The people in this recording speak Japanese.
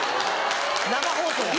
生放送で。